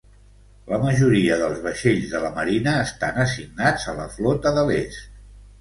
La majoria dels vaixells de la marina estan assignats a la Flota de l'Est.